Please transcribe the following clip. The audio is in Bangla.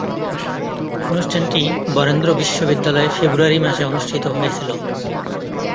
অনুষ্ঠানটি বরেন্দ্র বিশ্ববিদ্যালয়ে ফেব্রুয়ারি মাসে অনুষ্ঠিত হয়েছিলো।